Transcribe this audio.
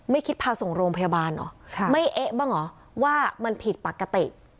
คิดพาส่งโรงพยาบาลเหรอไม่เอ๊ะบ้างเหรอว่ามันผิดปกติ